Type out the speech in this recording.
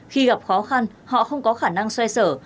khi gặp khó khăn họ không có khả năng xoay sở